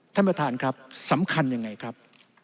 ท่านประธานครับสำคัญยังไงครับ